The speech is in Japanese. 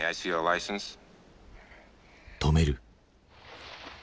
止める。